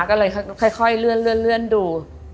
ก็เลยค่อยเลื่อนดู